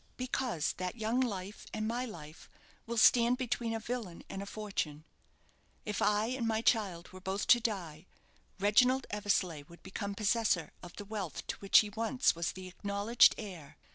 "Because that young life, and my life, will stand between a villain and a fortune. If I and my child were both to die, Reginald Eversleigh would become possessor of the wealth to which he once was the acknowledged heir.